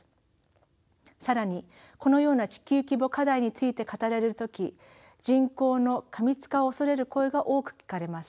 更にこのような地球規模課題について語られる時人口の過密化を恐れる声が多く聞かれます。